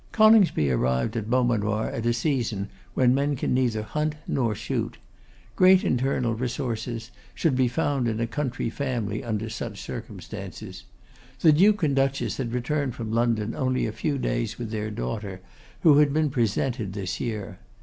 Coningsby arrived at Beaumanoir at a season when men can neither hunt nor shoot. Great internal resources should be found in a country family under such circumstances. The Duke and Duchess had returned from London only a few days with their daughter, who had been presented this year.